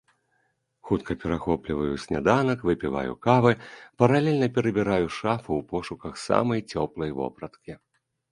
Хутка перахопліваю сняданак, выпіваю кавы, паралельна перабіраю шафу ў пошуках самай цёплай вопраткі.